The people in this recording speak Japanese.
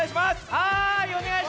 はい！